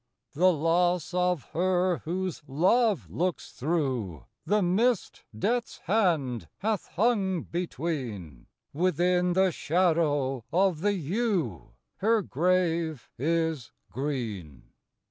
The loss of her whose love looks through The mist death's hand hath hung between: Within the shadow of the yew Her grave is green.